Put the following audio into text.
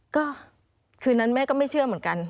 ก็คืนนั้นแม่ก็ไม่เชื่อเหมือนกัน